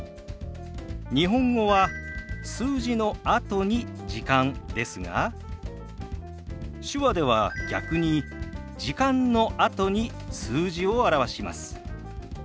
日本語は数字のあとに「時間」ですが手話では逆に「時間」のあとに数字を表します。